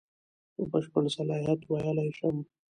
په بشپړ صلاحیت ویلای شم.